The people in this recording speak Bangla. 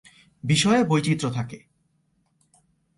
বিষয়ে বৈচিত্র্য থাকে।